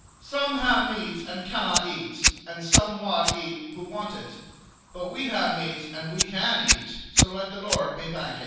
Some hae meat and canna' eat, And some wad eat who want it; But we hae meat and we can eat, So let the Lord be thankit.